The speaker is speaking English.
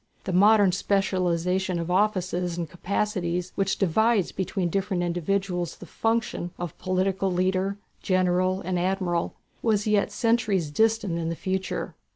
The modern specialization of offices and capacities which divides between different individuals the functions of political leader, general, and admiral was yet centuries distant in the future.